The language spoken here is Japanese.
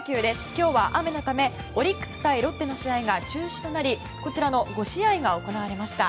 今日は雨のためオリックス対ロッテの試合が中止となり、こちらの５試合が行われました。